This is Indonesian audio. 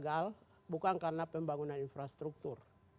negara itu gagal bukan karena pembangunan infrastruktur